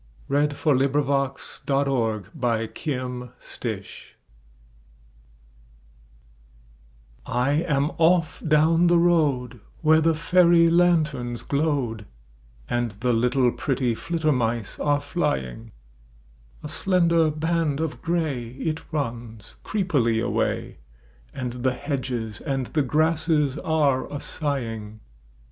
R. R. TOLKIEN (EXETER) GOBLIN FEET I AM off down the road Where the fairy lanterns glowed And the little pretty flittermice are flying : A slender band of grey It runs crcepily away And the hedges and the grasses are a sighing.